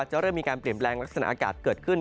จะเริ่มมีการเปลี่ยนแปลงลักษณะอากาศเกิดขึ้น